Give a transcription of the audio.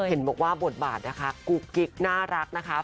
เห็นบวกว่าบทบาทคลุกกิ๊กน่ารักน่ารักนะคะ